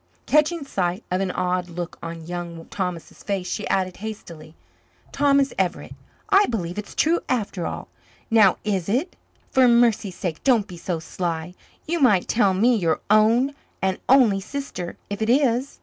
Catching sight of an odd look on Young Thomas's face, she added hastily, "Thomas Everett, I believe it's true after all. Now, is it? For mercy's sake don't be so sly. You might tell me, your own and only sister, if it is."